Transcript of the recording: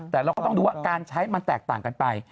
แล้วก็ต้องรู้ว่าการใช้ยังแตกต่างกันไป